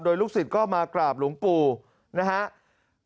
โดยลูกศึกก็มากราบหลุงปู่นะฮะคืออย่างอย่าง